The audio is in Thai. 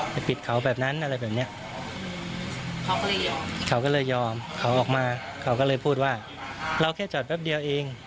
ไปปิดเขาแบบนั้นอะไรแบบเนี้ยเขาก็เลยยอมเขาก็เลยยอมเขาออกมาเขาก็เลยพูดว่าเราแค่จอดแป๊บเดียวเอง